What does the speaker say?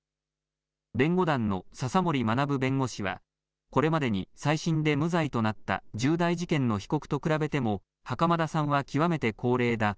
弁護団の笹森学弁護士は、これまでに再審で無罪となった重大事件の被告と比べても、袴田さんは極めて高齢だ。